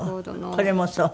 これもそう。